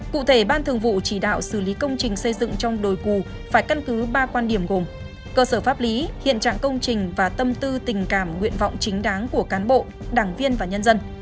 cụ thể ban thường vụ chỉ đạo xử lý công trình xây dựng trong đồi cù phải căn cứ ba quan điểm gồm cơ sở pháp lý hiện trạng công trình và tâm tư tình cảm nguyện vọng chính đáng của cán bộ đảng viên và nhân dân